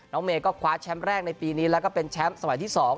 เมย์ก็คว้าแชมป์แรกในปีนี้แล้วก็เป็นแชมป์สมัยที่๒